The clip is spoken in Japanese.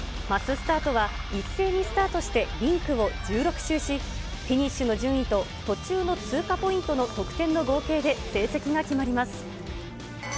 マススタートは、一斉にスタートしてリンクを１６周し、フィニッシュの順位と途中の通過ポイントの得点の合計で成績が決まります。